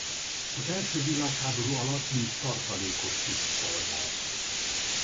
Az első világháború alatt mint tartalékos tiszt szolgált.